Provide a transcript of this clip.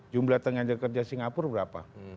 jumlah tenaga kerja singapura berapa